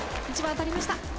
１番当たりました。